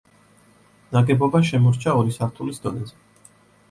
ნაგებობა შემორჩა ორი სართულის დონეზე.